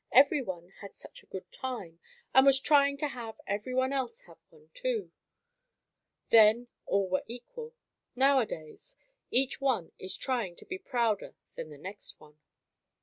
Everyone had such a good time, and was trying to have everyone else have one, too. Then, all were equal. Nowadays, each one is trying to be prouder than the next one.